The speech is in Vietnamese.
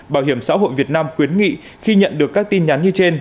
bảo hiểm xã hội việt nam khuyến nghị khi nhận được các tin nhắn như trên